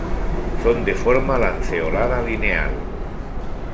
Son de forma lanceolada-lineal.